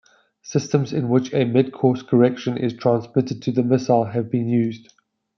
Systems in which a mid-course correction is transmitted to the missile have been used.